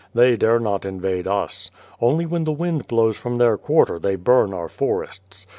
They dare not invade us. Only when the wind blows from their quarter they burn our forests.